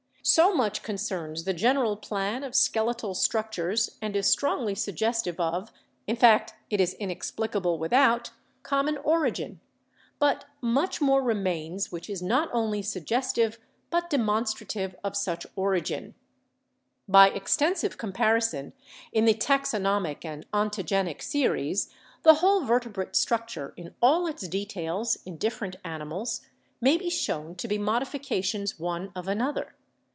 "So much concerns the general plan of skeletal struc tures and is strongly suggestive of — in fact it is inex plicable without — common origin. But much more re mains which is not only suggestive, but demonstrative of 142 BIOLOGY such origin. By extensive comparison in the taxonomic and ontogenic series, the whole vertebrate structure in all its details in different animals may be shown to be modifi cations one of another.